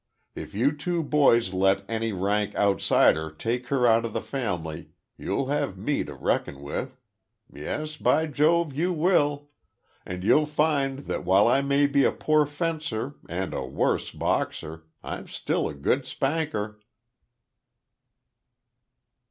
If you two boys let any rank outsider take her out of the family, you'll have me to reckon with. Yes, by Jove, you will! And you'll find that while I may be a poor fencer, and a worse boxer, I'm still a good spanker!"